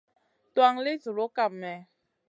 Tuwan li zuloʼ kam mèh ?